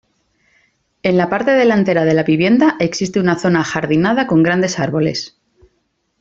En la parte delantera de la vivienda existe una zona ajardinada con grandes árboles.